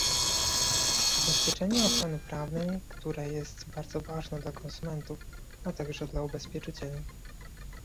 ubezpieczenie ochrony prawnej, które jest bardzo ważne dla konsumentów, a także dla ubezpieczycieli